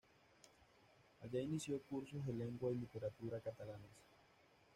Allá inició cursos de lengua y literatura catalanas.